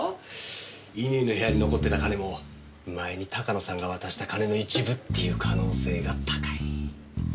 乾の部屋に残ってた金も前に鷹野さんが渡した金の一部っていう可能性が高い。